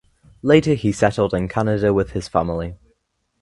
Later he settled in Canada with his family.